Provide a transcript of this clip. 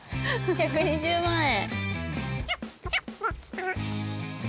１２０万円。